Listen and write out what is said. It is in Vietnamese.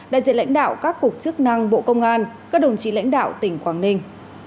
đại diện lãnh đạo các cuộc chức năng bộ công an các đồng chí lãnh đạo tỉnh quảng ninh